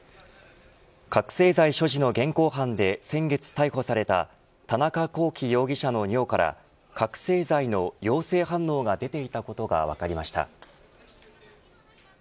覚せい剤所持の現行犯で先月逮捕された田中聖容疑者の尿から覚せい剤の陽性反応が出ていたことが分かりました。